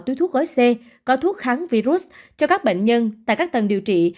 túi thuốc gói c có thuốc kháng virus cho các bệnh nhân tại các tầng điều trị